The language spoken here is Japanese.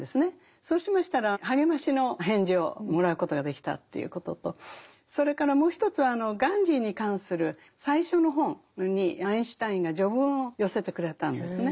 そうしましたら励ましの返事をもらうことができたということとそれからもう一つはガンジーに関する最初の本にアインシュタインが序文を寄せてくれたんですね。